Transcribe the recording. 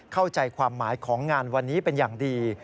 เข้าใจความหมายของงานวันนี้เป็นอย่างดี